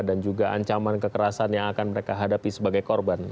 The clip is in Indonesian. dan juga ancaman kekerasan yang akan mereka hadapi sebagai korban